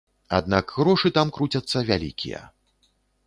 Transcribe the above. Аднак грошы там круцяцца вялікія.